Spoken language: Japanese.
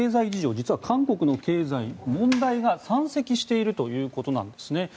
実は韓国の経済には問題が山積しているということです。